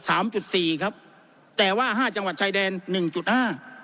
จุดสี่ครับแต่ว่าห้าจังหวัดชายแดนหนึ่งจุดห้า